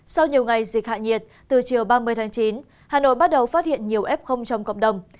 sau nhiều ngày dịch hạ nhiệt từ chiều ba mươi tháng chín hà nội bắt đầu phát hiện nhiều f trong cộng đồng